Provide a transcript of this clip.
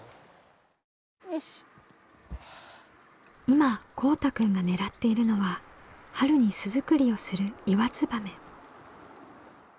今こうたくんが狙っているのは春に巣作りをするイワツバメ。